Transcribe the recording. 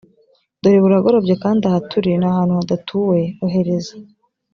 dore buragorobye kandi aha turi ni ahantu hadatuwe ohereza